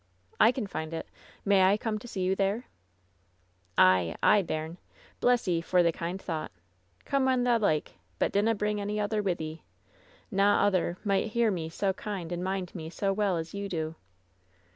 "I can find it. May I come to see you there ?" "Ay, ay, bairn. Bless 'ee for the kind thought. Come when thou like, but dinna bring ony other with 'ee. Na other might hear me sa kind and mind me sa well as ye do."